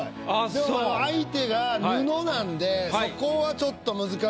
でも相手が布なんでそこはちょっと難しい。